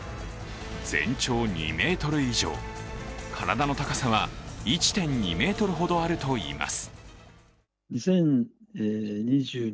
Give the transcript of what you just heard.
全長２ｍ以上、体の高さは１．２ｍほどあるといいます。